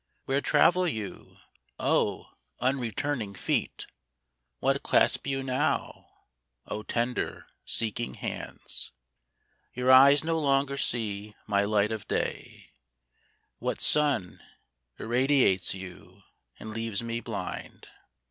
Where travel you, O unreturning feet, What clasp you now, O tender seeking hands ? Your eyes no longer see my light of day : What sun irradiates you and leaves me blind